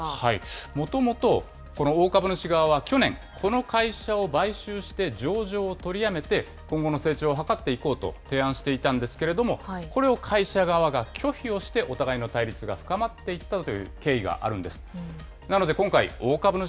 もともと、この大株主側は去年、この会社を買収して上場を取りやめて、今後の成長を図っていこうと提案していたんですけれども、これを会社側が拒否をして、お互いの対立が深まっていったという経緯があるんです。